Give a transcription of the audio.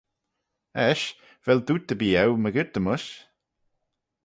Eisht, vel dooyt erbee eu mygeayrt-y-mysh?